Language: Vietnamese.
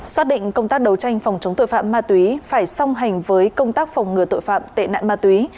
xác định công tác đấu tranh phòng chống tội phạm ma túy phải song hành với công tác phòng ngừa tội phạm tệ nạn ma túy